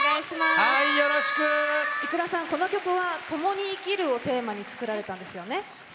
ｉｋｕｒａさん、この曲はともに生きるをテーマに作られた曲なんですよね。